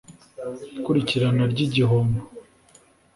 ikurikirana ry’igihombo